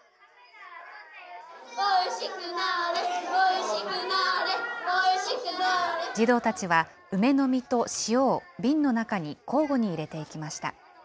おいしくなーれ、児童たちは、梅の実と塩を瓶の中に交互に入れていきました。